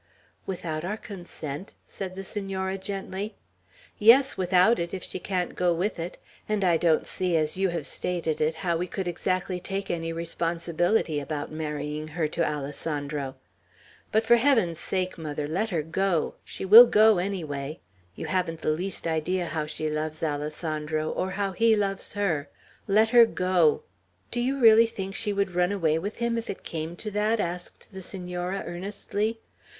"Without our consent?" said the Senora, gently. "Yes, without it, if she can't go with it; and I don't see, as you have stated it, how we could exactly take any responsibility about marrying her to Alessandro. But for heaven's sake, mother, let her go! She will go, any way. You haven't the least idea how she loves Alessandro, or how he loves her. Let her go!" "Do you really think she would run away with him, if it came to that?" asked the Senora, earnestly.